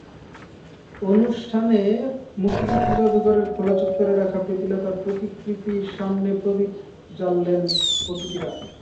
অনুষ্ঠানে মুক্তিযুদ্ধ জাদুঘরের খোলা চত্বরে রাখা প্রীতিলতার প্রতিকৃতির সামনে প্রদীপ জ্বাললেন অতিথিরা।